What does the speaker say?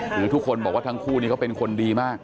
หรือทุกคนบอกว่าทั้งคู่นี้เขาเป็นคนดีมาก